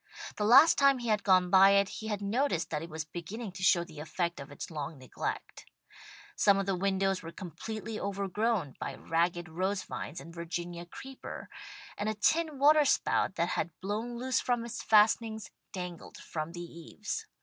The last time he had gone by it, he had noticed that it was beginning to show the effect of its long neglect. Some of the windows were completely overgrown by ragged rose vines and Virginia Creeper, and a tin waterspout that had blown loose from its fastenings, dangled from the eaves.